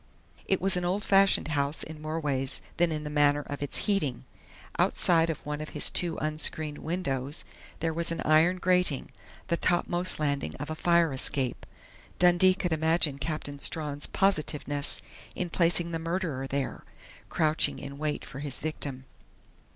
It was an old fashioned house in more ways than in the manner of its heating. Outside of one of his two unscreened windows there was an iron grating the topmost landing of a fire escape. Dundee could imagine Captain Strawn's positiveness in placing the murderer there crouching in wait for his victim....